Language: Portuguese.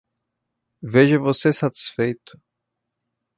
Veja você satisfeito!